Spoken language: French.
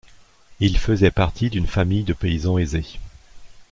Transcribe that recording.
Il faisait partie d'une famille de paysans aisés.